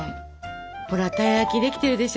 ほらたい焼きできてるでしょ？